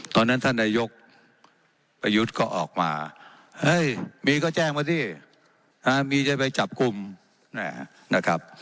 ท่านนายกประยุทธ์ก็ออกมาเฮ้ยมีก็แจ้งมาสิมีจะไปจับกลุ่มนะครับ